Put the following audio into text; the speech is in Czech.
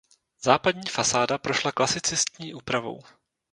Západní fasáda prošla klasicistní úpravou.